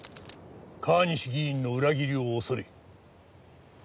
川西議員の裏切りを恐れ口を封じた。